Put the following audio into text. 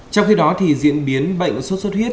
trong khi đó diễn biến bệnh xuất xuất huyết